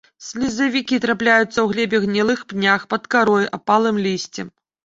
Слізевікі трапляюцца ў глебе, гнілых пнях, пад карой, апалым лісцем.